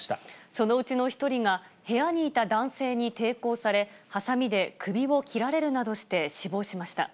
そのうちの１人が部屋にいた男性に抵抗され、はさみで首を切られるなどして死亡しました。